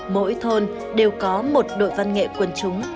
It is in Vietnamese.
mỗi thôn đều có một đội văn nghệ quần chúng